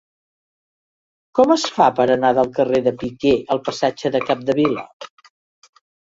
Com es fa per anar del carrer de Piquer al passatge de Capdevila?